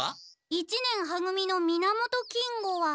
一年は組の皆本金吾は。